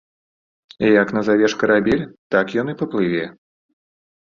Як назавеш карабель, так ён і паплыве.